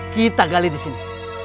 kita gali di sini